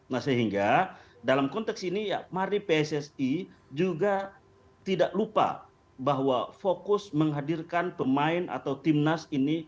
nah sehingga dalam konteks ini ya mari pssi juga tidak lupa bahwa fokus menghadirkan pemain atau timnas ini